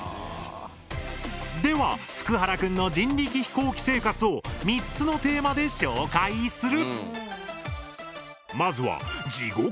ではフクハラくんの人力飛行機生活を３つのテーマで紹介する！